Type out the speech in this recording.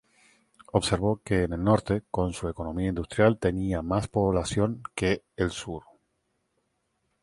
Observó que el norte, con su economía industrial, tenía más población que el sur.